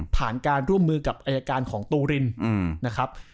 การร่วมมือกับอายการของตูรินนะครับ